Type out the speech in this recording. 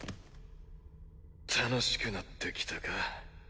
楽しくなってきたか？